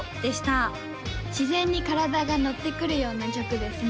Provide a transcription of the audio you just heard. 自然に体がノッてくるような曲ですね